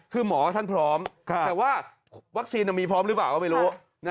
คือหมอท่านพร้อมแต่ว่าวัคซีนมีพร้อมหรือเปล่าก็ไม่รู้